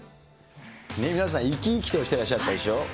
皆さん生き生きとしてらっしゃったでしょ。